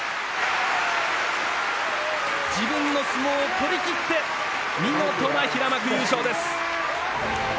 自分の相撲をとりきって見事な平幕優勝です。